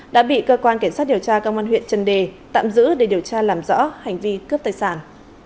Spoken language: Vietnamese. đã bị cơ quan cảnh sát điều tra công an huyện trần đề tạm giữ để điều tra làm rõ hành vi cướp tài sản